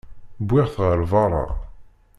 Wwiɣ-t ɣer berra.